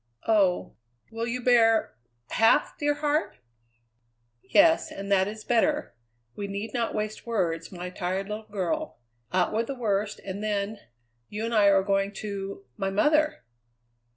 "Oh! Will you bear half, dear heart?" "Yes, and that is better. We need not waste words, my tired little girl. Out with the worst and then you and I are going to my mother!"